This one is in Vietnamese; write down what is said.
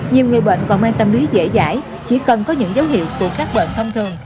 nhiều người bệnh còn mang tâm lý dễ dãi chỉ cần có những dấu hiệu của các bệnh thông thường